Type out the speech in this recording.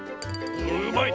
うまいね。